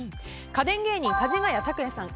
家電芸人かじがや卓哉さん